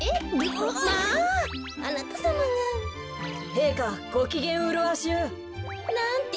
へいかごきげんうるわしゅう。なんて